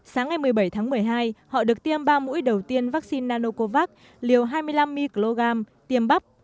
sáng ngày một mươi bảy tháng một mươi hai họ được tiêm ba mũi đầu tiên vaccine nanocovax liều hai mươi năm microgram tiêm bắp